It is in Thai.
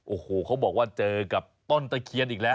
โอ้โหเขาบอกว่าเจอกับต้นตะเคียนอีกแล้ว